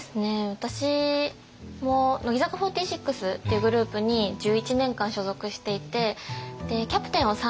私も乃木坂４６っていうグループに１１年間所属していてキャプテンを３年半務めて。